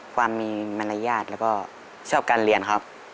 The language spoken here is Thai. ความมีมารยาทแล้วก็ชอบการเรียนครับ